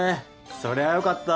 そりゃあよかった。